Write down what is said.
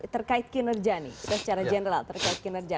terkait kinerja nih secara general terkait kinerja